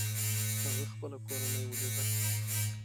هغه خپله کورنۍ وليده.